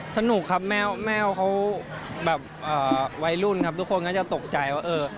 สนุกครับแม่เขาแบบวัยรุ่นครับทุกคนก็จะตกใจว่าเออ